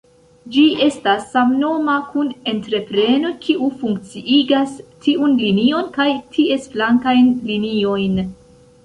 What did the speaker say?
Ĝi estas samnoma kun entrepreno, kiu funkciigas tiun linion kaj ties flankajn liniojn.